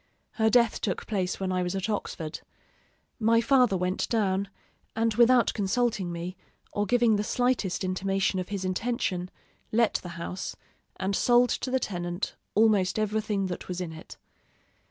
Her death took place when I was at Oxford. My father went down; and without consulting me, or giving the slightest intimation of his intention, let the house, and sold to the tenant almost everything that was in it.